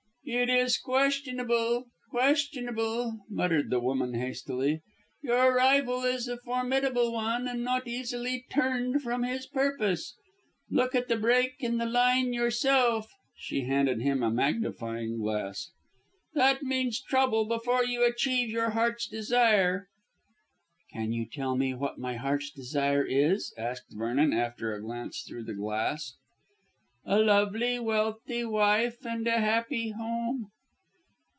"It is questionable questionable," muttered the woman hastily. "Your rival is a formidable one and not easily turned from his purpose. Look at the break in the line yourself." She handed him a magnifying glass. "That means trouble before you achieve your heart's desire." "Can you tell me what my heart's desire is?" asked Vernon after a glance through the glass. "A lovely, wealthy wife and a happy home."